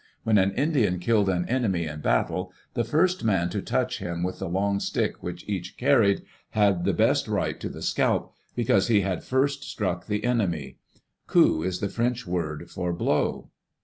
When an Indian killed an enemy in battle, the first man to touch him with the long stick which each carried, had the best right to the scalp, because he had first struck the enemy. Coup is the French word for blow.